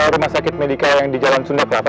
rumah sakit medika yang di jalan sunda ke apa